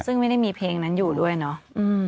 ซึ่งไม่ได้มีเพลงนั้นอยู่ด้วยเนาะ